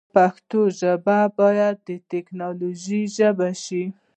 پښتو ژبه باید د تکنالوژۍ ژبه شی